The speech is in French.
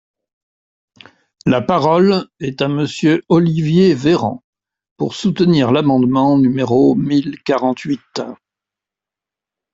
La parole est à Monsieur Olivier Véran, pour soutenir l’amendement numéro mille quarante-huit.